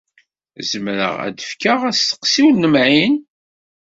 Zemreɣ ad d-fkeɣ asteqsi ur nemɛin?